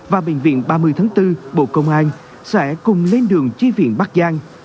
và bệnh viện ba mươi tháng bốn bộ công an sẽ cùng lên đường chi viện bắc giang